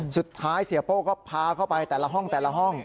เสียโป้ก็พาเข้าไปแต่ละห้องแต่ละห้อง